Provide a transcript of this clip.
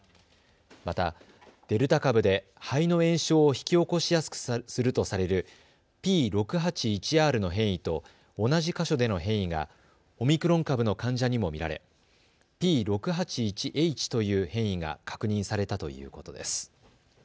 また、デルタ株で肺の炎症を引き起こしやすくするとされるＰ６８１Ｒの変異と同じ箇所での変異がオミクロン株の患者にも見られＰ６８１ＲＨという変異が確認されたということです。